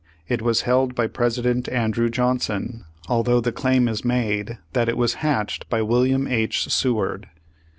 It was held by President Andrew Johnson, al though the claim is made that it was hatched by William H. Seward.